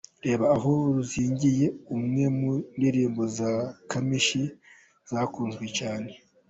Reba 'Aho Ruzingiye', imwe mu ndirimbo za Kamichi zakunzwe cyane.